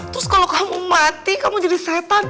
terus kalau kamu mati kamu jadi setan